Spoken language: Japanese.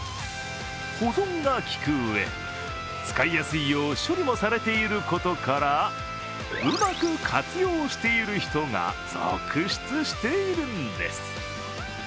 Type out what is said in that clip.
保存が利くうえ、使いやすいよう処理もされていることからうまく活用している人が続出しているんです。